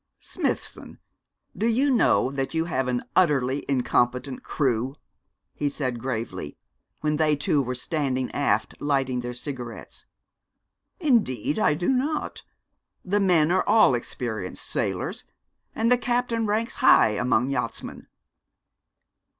'Smithson, do you know that you have an utterly incompetent crew?' he said, gravely, when they two were standing aft, lighting their cigarettes. 'Indeed I do not. The men are all experienced sailors, and the captain ranks high among yachtsmen.'